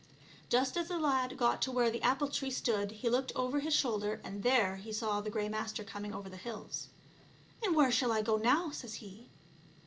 Just as the lad got to where the apple tree stood he looked over his shoulder, and there he saw the Grey Master coming over the hills. " And where shall I go now," says he.